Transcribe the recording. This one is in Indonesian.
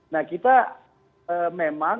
nah kita memang